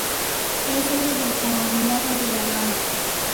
Es sede del condado de Albany.